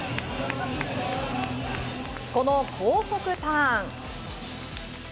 この高速ターン。